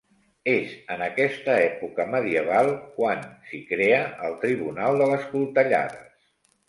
És en aquesta època medieval quan s'hi crea el Tribunal de les Coltellades.